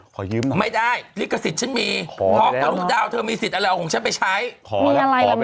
ก็ทำ๖ข้อนี้แล้วถึงยอมให้ไหม